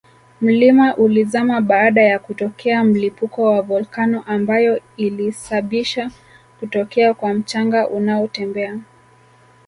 mlima ulizama baada ya kutokea mlipuko wa volcano ambayo ilisabisha kutokea kwa mchanga unaotembea